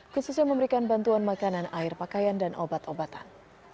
khususnya memberikan bantuan makanan air pakaian dan obat obatan